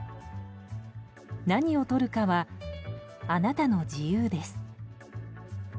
何を撮るかはあなたの自由です。